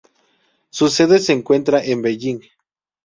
Su sede se encuentra en Beijing.